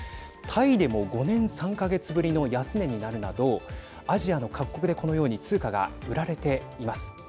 タイでも５年３か月ぶりの安値になるなどアジアの各国で、このように通貨が売られています。